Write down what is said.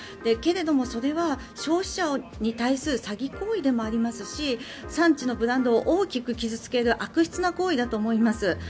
けれども、それは消費者に対する詐欺行為でもありますし産地のブランドを大きく傷付ける悪質な行為だと思います。